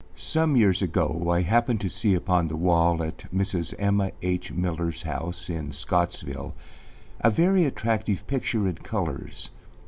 Some years ago I happened to see upon the wall at Mrs. Emma H. Millerâs house in Scottsville, a very attractive picture in colors.